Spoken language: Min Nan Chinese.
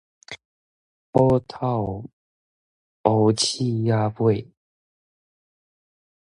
虎頭鳥鼠仔尾